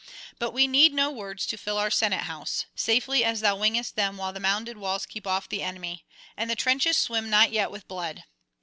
But we need no words to fill our senate house, safely as thou wingest them while the mounded walls keep off the enemy, and the trenches swim not yet with blood.